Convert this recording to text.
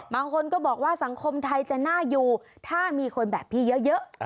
บางคนก็บอกว่าสังคมไทยจะน่าอยู่ถ้ามีคนแบบพี่เยอะ